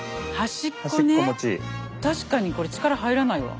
確かにこれ力入らないわ。